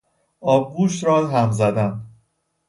آبگوشت را هم زدن